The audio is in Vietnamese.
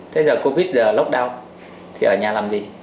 thế giờ covid là lockdown thì ở nhà làm gì